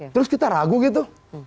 terus kita ragu gitu